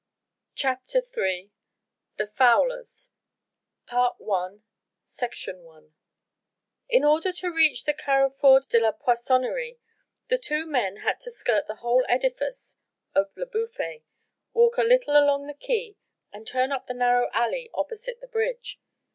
] CHAPTER III THE FOWLERS I In order to reach the Carrefour de la Poissonnerie the two men had to skirt the whole edifice of Le Bouffay, walk a little along the quay and turn up the narrow alley opposite the bridge.